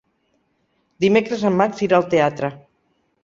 Dimecres en Max irà al teatre.